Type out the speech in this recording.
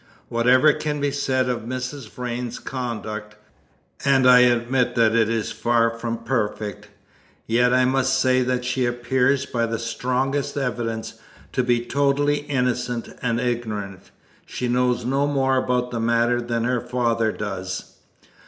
Whatever can be said of Mrs. Vrain's conduct and I admit that it is far from perfect yet I must say that she appears, by the strongest evidence, to be totally innocent and ignorant. She knows no more about the matter than her father does."